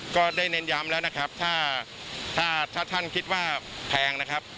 เน้นย้ำแล้วนะครับถ้าถ้าท่านคิดว่าแพงนะครับ